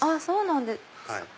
そうなんですか。